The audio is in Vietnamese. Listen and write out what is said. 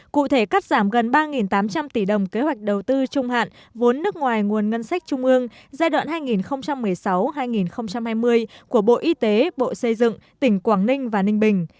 cụ thể cắt giảm gần ba tám trăm linh tỷ đồng kế hoạch đầu tư trung hạn vốn nước ngoài nguồn ngân sách trung ương giai đoạn hai nghìn một mươi sáu hai nghìn hai mươi của bộ y tế bộ xây dựng tỉnh quảng ninh và ninh bình